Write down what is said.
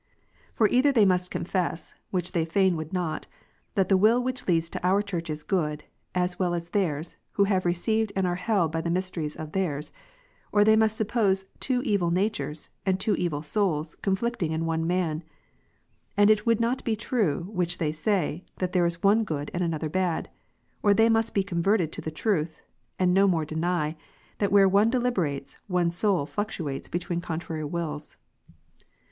For either they must confess, (which they fain would not,) that the will which leads to our church is good, as well as theirs, who have received and are held by the m^^steries of theirs : or they must suppose two evil natures, and two evil souls conflicting in one man, and it will not be true, which they say, that there is one good and another bad ; or they must be converted to the truth, and no more deny, thatwhere one deliberates, one soul fluctuates between contrary wills.